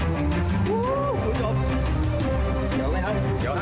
เจ๋วค่ะ